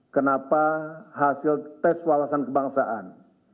kenapa hasil tes wawasan kebangsaan